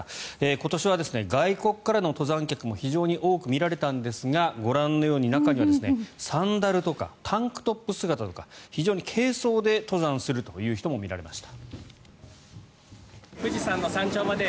今年は外国からの登山客も非常に多く見られたんですがご覧のように、中にはサンダルとかタンクトップ姿とか非常に軽装で登山するという人も見られました。